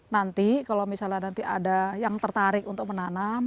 nanti kalau misalnya nanti ada yang tertarik untuk menanam